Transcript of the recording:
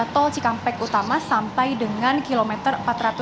tol cikampek utama sampai dengan kilometer empat ratus lima puluh